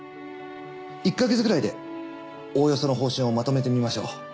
１か月くらいでおおよその方針をまとめてみましょう。